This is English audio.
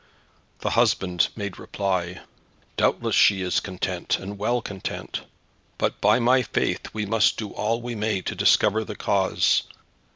The husband made reply, "Doubtless she is content, and well content. But by my faith, we must do all we may to discover the cause.